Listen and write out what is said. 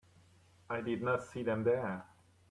I did not see them there.